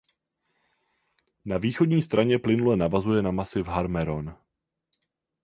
Na východní straně plynule navazuje na masiv Har Meron.